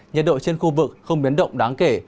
nhiệt độ trên khu vực không biến động đáng kể